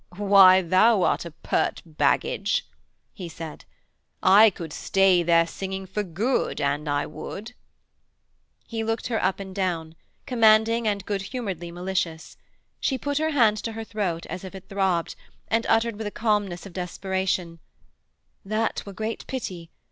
'Why, thou art a pert baggage,' he said. 'I could stay their singing for good an I would.' He looked her up and down, commanding and good humouredly malicious. She put her hand to her throat as if it throbbed, and uttered with a calmness of desperation: 'That were great pity.